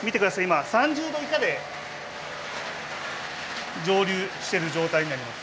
今３０度以下で蒸留してる状態になります。